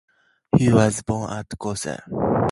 He was born at Gotha.